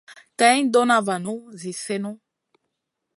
Kay ɗona vanu zi sèhnu.